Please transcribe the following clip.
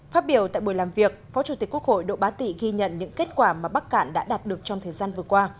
phát biểu tại buổi làm việc phó chủ tịch quốc hội độ bá tị ghi nhận những kết quả mà bắc cạn đã đạt được trong thời gian vừa qua